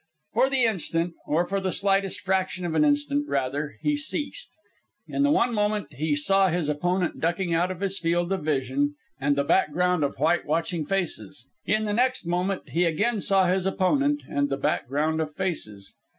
For the instant, or for the slighest fraction of an instant, rather, he ceased. In the one moment he saw his opponent ducking out of his field of vision and the background of white, watching faces; in the next moment he again saw his opponent and the background of faces.